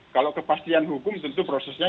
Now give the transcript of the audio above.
kalau kepastian hukum tentu prosesnya